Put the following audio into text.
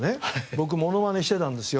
僕モノマネしてたんですよ。